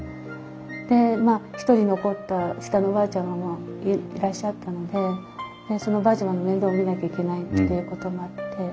でまあ一人残った下のおばあちゃまもいらっしゃったのでそのおばあちゃまの面倒も見なきゃいけないっていうこともあって。